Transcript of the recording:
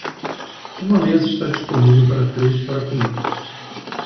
Uma mesa está disponível para três para comer.